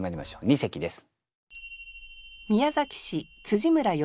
二席です。